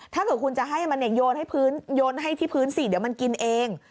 ถ้าเกิดคุณจะให้มันโยนให้ที่พื้นสิเดี๋ยวมันกินเอง